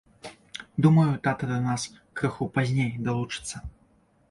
Думаю, тата да нас крыху пазней далучыцца.